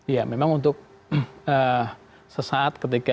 ya memang untuk sesaat ketika